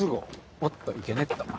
おっといけねっと。